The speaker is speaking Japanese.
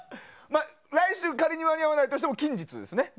来週、仮に間に合わないとしても近日ですね。